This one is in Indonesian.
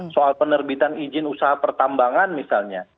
soal penerbitan izin usaha pertambangan misalnya